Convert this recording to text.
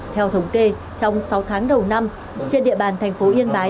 theo thống kê trong sáu tháng đầu năm trên địa bàn thành phố yên bái